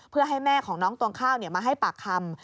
เพื่อให้แม่ของน้องตวงข้าวมาให้ปากคำ